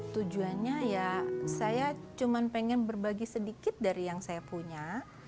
tujuannya ya saya cuma pengen berbagi sedikit dari yang saya punya